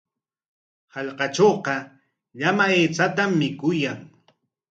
Hallqatrawqa llama aychatam mikuyan.